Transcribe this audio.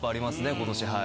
今年はい。